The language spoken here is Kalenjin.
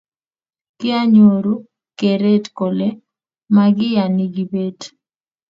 kianyoru keret kole makiyani kibet